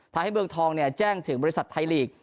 ท้ายให้เมืองทองเนี่ยแจ้งถึงบริษัทไทยลีก